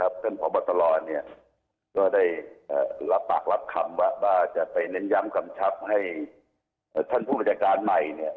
พศพระบอตรรณ์ก็ได้รับปากรับคำว่าจะไปเน้นย้ำคำชัพให้ท่านผู้บัญญาการใหม่